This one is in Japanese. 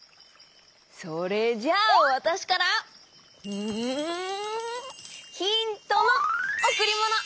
それじゃあわたしからうんヒントのおくりもの！